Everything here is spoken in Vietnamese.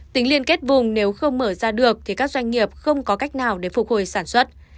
tính liên kết vùng nếu không mở ra được thì các doanh nghiệp không có cách nào để phục hồi sản xuất